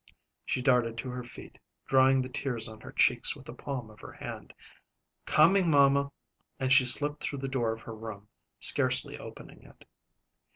She darted to her feet, drying the tears on her cheeks with the palm of her hand. "Coming, mamma." And she slipped through the door of her room, scarcely opening it.